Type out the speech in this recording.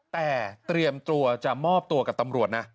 แต่เตรียมตัวจะมอบตัวกับตำรวจนะ